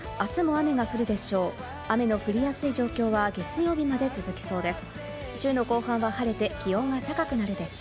雨の降りやすい状況は、月曜日まで続きそうです。